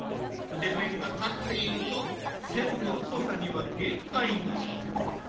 筆ペンが立っていると線の太さには限界が。